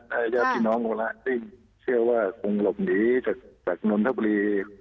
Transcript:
ได้เยอะพี่น้องเข้ามาแล้วซึ่งเชื่อว่าคงหลบหนีจากนรทบุรี